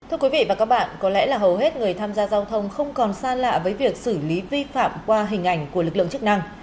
thưa quý vị và các bạn có lẽ là hầu hết người tham gia giao thông không còn xa lạ với việc xử lý vi phạm qua hình ảnh của lực lượng chức năng